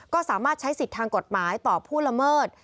ก็สามารถใช้สิทธิ์ทางกฎหมายต่อผู้ละเมิด